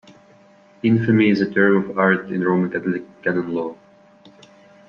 Infamy is a term of art in Roman Catholic Canon Law.